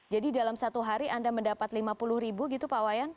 jadi dalam satu hari anda mendapat rp lima puluh pak wayan